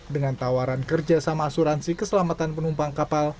dengan tawaran kerja sama asuransi keselamatan penumpang kapal